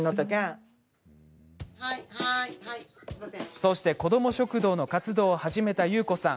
そうして、子ども食堂の活動を始めた優子さん。